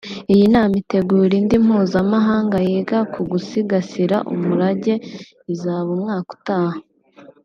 Iyi nama itegura indi mpuzamahanga yiga ku gusigasira umurage izaba umwaka utaha